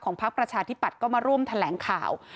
พักประชาธิปัตย์ก็มาร่วมแถลงข่าว